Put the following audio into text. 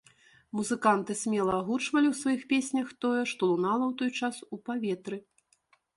Музыканты смела агучвалі ў сваіх песнях тое, што лунала ў той час у паветры.